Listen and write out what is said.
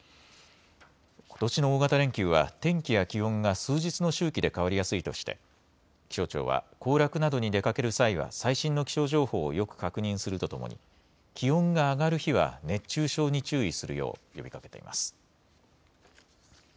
ことしの大型連休は天気や気温が数日の周期で変わりやすいとして、気象庁は行楽などに出かける際は最新の気象情報をよく確認するとともに、気温が上がる日は熱中症に注意するよう呼びかけています。